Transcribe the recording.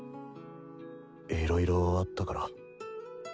いろいろあったから。